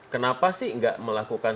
kenapa sih enggak melakukan